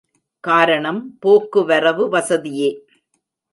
காரணம் போக்கு வரவு வசதியே.